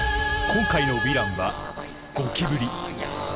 今回のヴィランはゴキブリ！